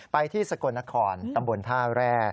ไปที่สกลนครอมบ่นถ้าแร่